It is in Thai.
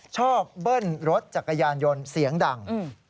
เบิ้ลรถจักรยานยนต์เสียงดัง